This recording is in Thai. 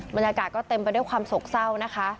บรรยากาศก็เต็มไปด้วยความโศกเศร้านะคะ